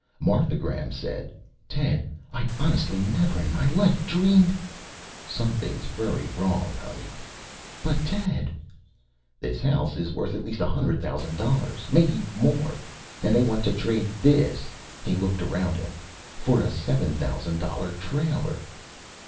Martha Graham said, "Ted, I honestly never in my life dreamed " "Something's very wrong, honey." "But, Ted " "This house is worth at least a hundred thousand dollars. Maybe more. And they want to trade this " he looked around him "for a seven thousand dollar trailer?"